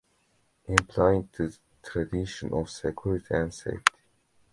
Implying the tradition of Security and Safety.